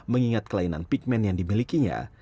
mengingat kelainan pigment yang dimilikinya